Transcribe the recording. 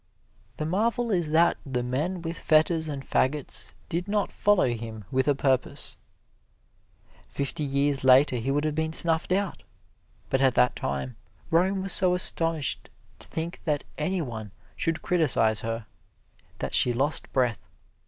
The marvel is that the men with fetters and fagots did not follow him with a purpose. Fifty years later he would have been snuffed out. But at that time Rome was so astonished to think that any one should criticize her that she lost breath.